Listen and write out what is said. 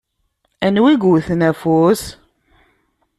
Anwa i yewwten afus?